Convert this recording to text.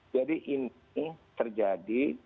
jadi ini terjadi